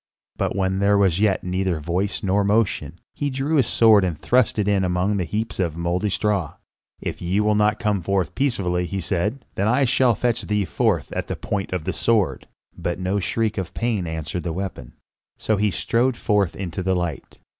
But when there was yet neither voice nor motion, he drew his sword and thrust it in among the heaps of mouldy straw. "If ye will not come forth peaceably," he said, "then shall I fetch thee forth at the point of the sword." But no shriek of pain answered the weapon. So he strode forth into the light.